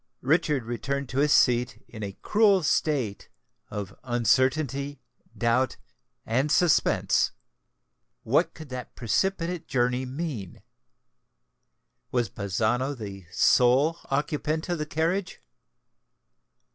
Richard returned to his seat in a cruel state of uncertainty, doubt, and suspense. What could that precipitate journey mean? was Bazzano the sole occupant of the carriage?